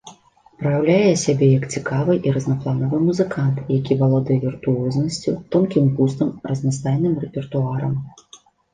Праяўляе сябе як цікавы і разнапланавы музыкант, які валодае віртуознасцю, тонкім густам, разнастайным рэпертуарам.